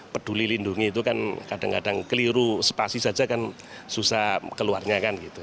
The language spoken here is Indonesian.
peduli lindungi itu kan kadang kadang keliru spasi saja kan susah keluarnya kan gitu